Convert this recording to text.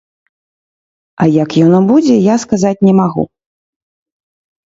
А як яно будзе, я сказаць не магу.